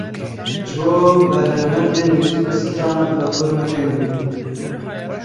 Ji bo behremendên muzîk û stranan platformeke nû.